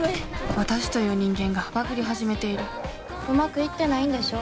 私という人間がバグり始めているうまくいってないんでしょ？